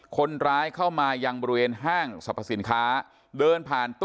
คนร้ายเข้ามายังบริเวณห้างสรรพสินค้า